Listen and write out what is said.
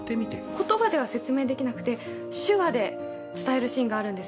言葉では説明できなくて手話で伝えるシーンがあるんですよね。